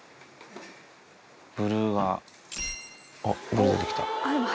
ブルーが、おっ、ブルー出てきた。